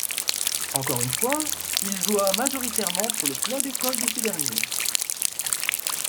Encore une fois, il joua majoritairement pour le club-école de ces derniers.